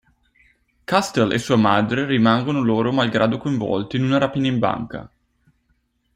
Castle e sua madre rimangono loro malgrado coinvolti in una rapina in banca.